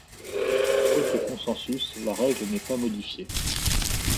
Faute de consensus, la règle n'est pas modifiée.